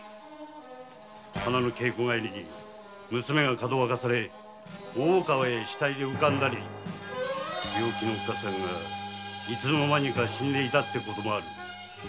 花の稽古帰りに娘がかどわかされ大川へ死体で浮かんだり病気のおっかさんがいつのまにか死んでいたってこともある！